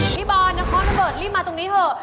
นิฟบอลน้องคลอห์นเวิร์ดรีบมาตรงนี้เถอะ